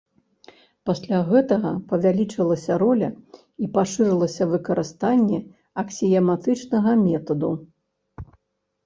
Пасля гэтага павялічылася роля і пашырылася выкарыстанне аксіяматычнага метаду.